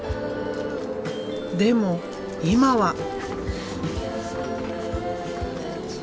でも今は。